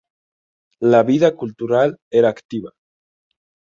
La vida cultural era activa.